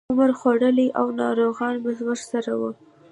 عمر خوړلي او ناروغان به ورسره وو.